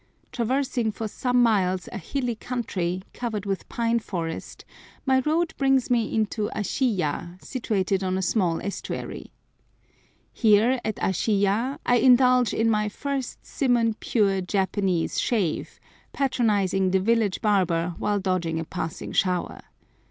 Traversing for some miles a hilly country, covered with pine forest, my road brings me into Ashiyah, situated on a small estuary. Here, at Ashiyah, I indulge in nay first simon pure Japanese shave, patronizing the village barber while dodging a passing shower.